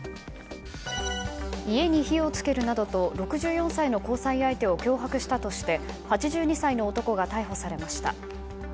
家に火を付けるなどと６４歳の交際相手を脅迫したとして８２歳の男が逮捕されました。